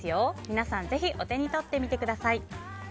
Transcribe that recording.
皆さんぜひお手に取ってみてください。